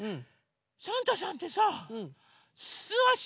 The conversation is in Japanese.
サンタさんってさすあし？